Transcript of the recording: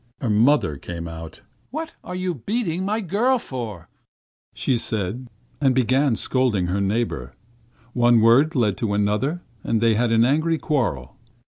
Her mother came out. 'What are you beating my girl for?' said she; and began scolding her neighbour. One word led to another and they had an angry quarrel.